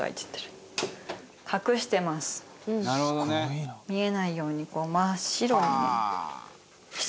篠田：見えないように。